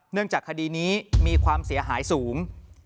จากคดีนี้มีความเสียหายสูง